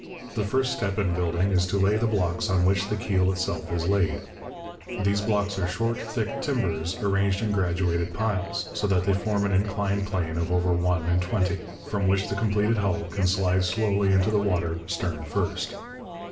The first step in building is to lay the blocks on which the keel itself is laid. These blocks are short, thick timbers, arranged in graduated piles, so that they form an inclined plane of over one in twenty, from which the completed hull can slide slowly into the water, stern first.